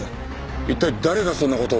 一体誰がそんな事を。